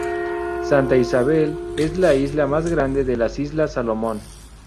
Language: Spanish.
Santa Isabel es la isla más grande de las Islas Salomón.